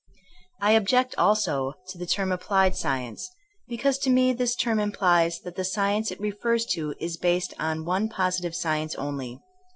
I object also to the term applied science,'' because to me this term implies that the science it refers to is based on one positive science only.